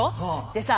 でさ